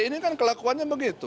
ini kan kelakuannya begitu